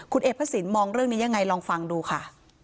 คุณเอกพระศิลป์มองเรื่องนี้ยังไงลองฟังดูค่ะ